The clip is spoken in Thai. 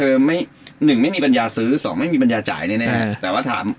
ไม่หนึ่งไม่มีปัญญาซื้อสองไม่มีปัญญาจ่ายแน่แน่แต่ว่าถาม